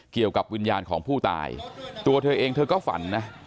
เกี่ยวกับวิญญาณของผู้ตายตัวเธอเองเธอก็ฝันนะ